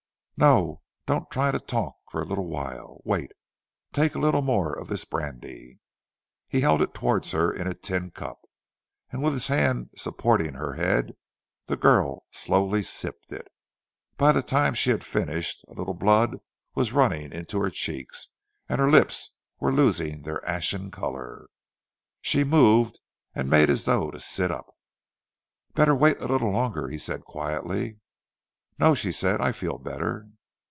"No, don't try to talk for a little while. Wait! Take a little more of this brandy." He held it towards her in a tin cup, and with his hand supporting her head, the girl slowly sipped it. By the time she had finished, a little blood was running in her cheeks and her lips were losing their ashen colour. She moved and made as though to sit up. "Better wait a little longer," he said, quietly. "No," she said, "I feel better."